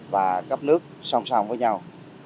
và cấp nước song song với nhau